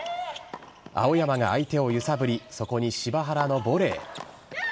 青山が相手を揺さぶり、そこに柴原のボレー。